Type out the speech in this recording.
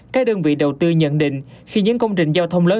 các đơn vị đầu tư nhận định khi những công trình giao thông lớn